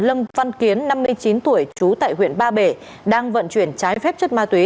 lâm văn kiến năm mươi chín tuổi trú tại huyện ba bể đang vận chuyển trái phép chất ma túy